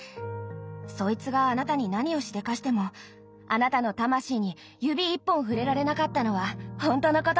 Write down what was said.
そいつがあなたに何をしでかしてもあなたの魂に指一本触れられなかったのはほんとのことよ。